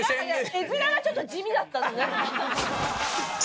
絵面がちょっと地味だったのね。